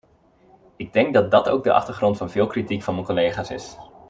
Ik denk dat dat ook de achtergrond van veel kritiek van mijn collega's is.